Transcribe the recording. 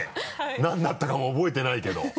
何だったかも覚えてないけど。